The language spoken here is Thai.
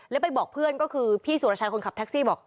แล้วไปบอกเพื่อนก็คือพี่สุรชัยคนขับแท็กซี่บอก